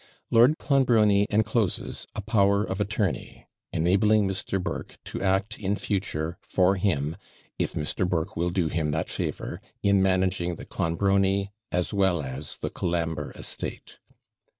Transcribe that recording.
Lord Clonbrony encloses a power of attorney, enabling Mr. Burke to act in future for him, if Mr. Burke will do him that favour, in managing the Clonbrony as well as the Colambre estate.